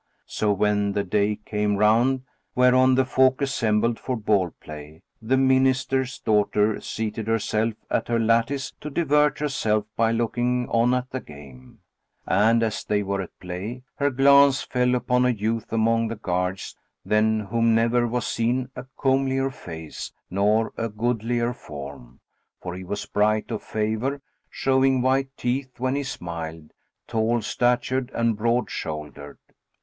[FN#32] So when the day came round whereon the folk assembled for ballplay, the Minister's daughter seated herself at her lattice, to divert herself by looking on at the game; and, as they were at play, her glance fell upon a youth among the guards than whom never was seen a comelier face nor a goodlier form; for he was bright of favour showing white teeth when he smiled, tall statured and broad shouldered.